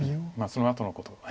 そのあとのことを。